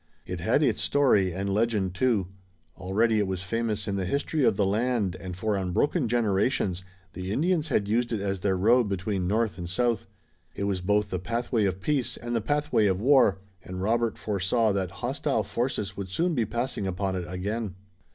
It had its story and legend too. Already it was famous in the history of the land and for unbroken generations the Indians had used it as their road between north and south. It was both the pathway of peace and the pathway of war, and Robert foresaw that hostile forces would soon be passing upon it again.